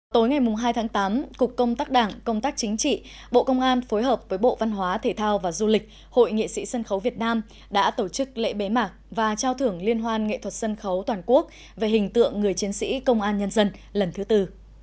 tối ngày hai tháng tám cục công tác đảng công tác chính trị bộ công an phối hợp với bộ văn hóa thể thao và du lịch hội nghệ sĩ sân khấu việt nam đã tổ chức lễ bế mạc và trao thưởng liên hoan nghệ thuật sân khấu toàn quốc về hình tượng người chiến sĩ công an nhân dân lần thứ tư